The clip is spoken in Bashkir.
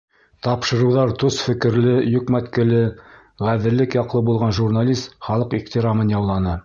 Тапшырыуҙары тос фекерле, йөкмәткеле, ғәҙеллек яҡлы булған журналист халыҡ ихтирамын яуланы.